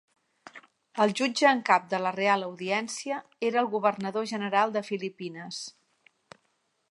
El jutge en cap de la Real Audiència era el governador general de Filipines.